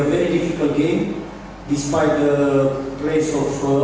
pertandingan ini akan menjadi pertandingan yang sangat sulit